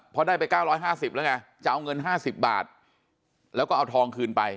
พอได้ไป๙๕๐บาทจะเอาเงิน๕๐บาทแล้วก็เอาทองคืนไป